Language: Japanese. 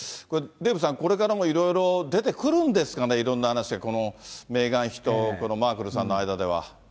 デーブさん、これからもいろいろ出てくるんですかね、いろんな話が、このメーガン妃とこのマークルさんの間では。